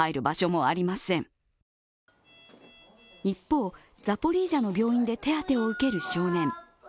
一方、ザポリージャの病院で手当を受ける少年。